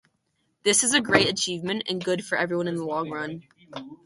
This is a great achievement and good for everyone in the long run.